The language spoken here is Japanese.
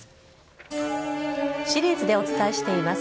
シリーズでお伝えしています